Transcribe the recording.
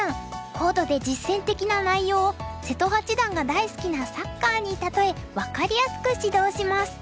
高度で実戦的な内容を瀬戸八段が大好きなサッカーに例え分かりやすく指導します。